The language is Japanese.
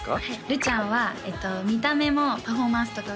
るちゃんは見た目もパフォーマンスとか